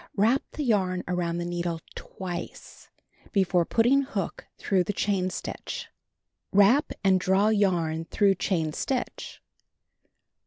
Wrap the yarn around the needle hvice, before putting hook through the chain stitch. Wrap, and draw j arn through chain stitch.